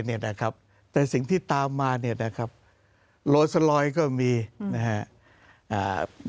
เนี่ยนะครับแต่สิ่งที่ตามมาเนี่ยนะครับโรยสลอยก็มีนะฮะ